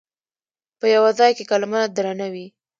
په یوه ځای کې کلمه درنه وي.